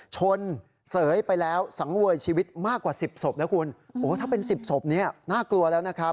เสยไปแล้วสังเวยชีวิตมากกว่าสิบศพนะคุณโอ้ถ้าเป็นสิบศพเนี้ยน่ากลัวแล้วนะครับ